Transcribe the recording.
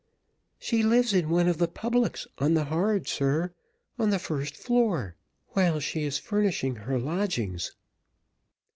"She lives in one of the publics on the hard, sir, on the first floor, while she is furnishing her lodgings."